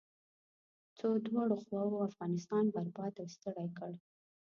څو دواړو خواوو افغانستان برباد او ستړی کړ.